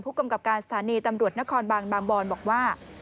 กำกับการสถานีตำรวจนครบางบอนบอกว่า